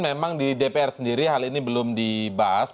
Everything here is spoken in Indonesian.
memang di dpr sendiri hal ini belum dibahas